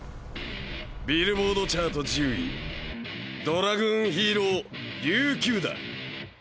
ビルボードチャート１０位ドラグーンヒーローリューキュウだ。